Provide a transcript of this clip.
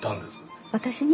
私に？